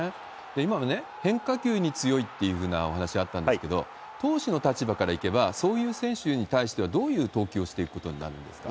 今のね、変化球に強いっていうふうなお話あったんですけれども、投手の立場からいけば、そういう選手に対してはどういう投球をしていくことになるんですか？